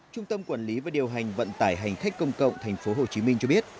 trung tâm quản lý và điều hành vận tải hành khách công cộng tp hcm cho biết